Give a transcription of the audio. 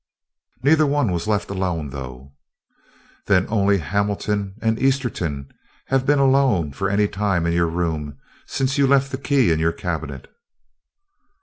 "Neither one was left alone, though." "Then only Hamilton and Esterton have been alone for any time in your room since you left the key in your cabinet?"